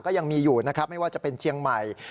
ก็ยังมีอยู่ไม่ว่าจะเป็นเจียงใหม่